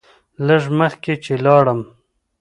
لږ مخکې چې لاړم.